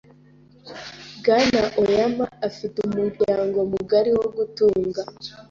Bwana Aoyama afite umuryango mugari wo gutunga .